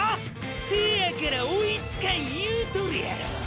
せやから追いつかん言うとるやろォ！！